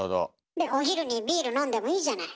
でお昼にビール飲んでもいいじゃない。